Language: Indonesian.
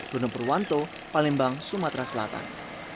dono purwanto palembang sumatera selatan